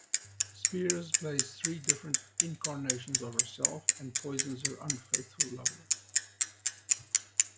Spears plays three different incarnations of herself and poisons her unfaithful lover.